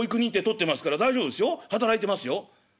働いてますよ」。